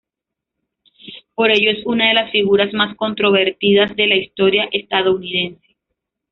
Por ello es una de las figuras más controvertidas de la historia estadounidense.